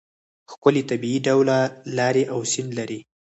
ښکلې طبیعي ډوله لارې او سیند لري.